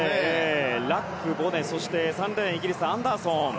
ラック、ボネ、そして３レーンイギリスのアンダーソン。